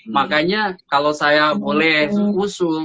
makanya kalau saya boleh usul